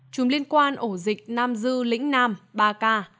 chùm liên quan ổ dịch nam dư lĩnh nam ba k